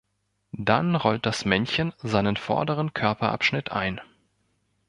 Dann rollt das Männchen seinen vorderen Körperabschnitt ein.